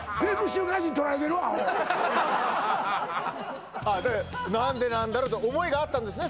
アホで何でなんだろうって思いがあったんですね